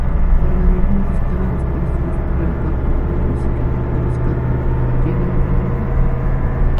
Organismos estaban esparcidos por el campo cuando los equipos de rescate llegaron al lugar.